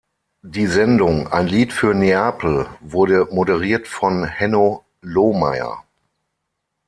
Die Sendung Ein Lied für Neapel wurde moderiert von Henno Lohmeyer.